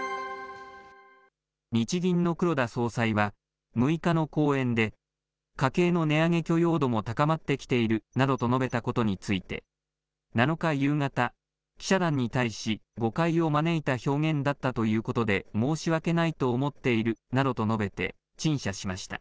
日銀の黒田総裁は、６日の講演で、家計の値上げ許容度も高まってきているなどと述べたことについて７日夕方、記者団に対し、誤解を招いた表現だったということで申し訳ないと思っているなどと述べて、陳謝しました。